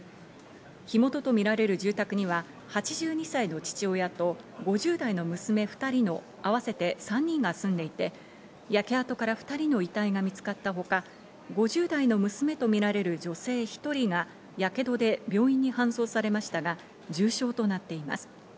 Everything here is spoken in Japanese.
火元とみられる住宅には８２歳の父親と５０代の娘２人の合わせて３人が住んでいて、焼け跡から２人の遺体が見つかったほか、５０代の娘とみられる女性１人がやけどで病院に搬送されましたが重傷となっています。